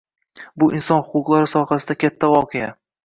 Bu inson huquqlari sohasida katta voqea.